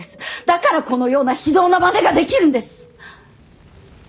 だからこのような非道なまねができるんです！